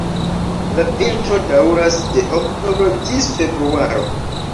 La vintro daŭras de oktobro ĝis februaro.